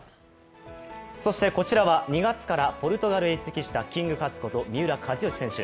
こちらは２月からポルトガルへ移籍したキングカズこと三浦知良選手。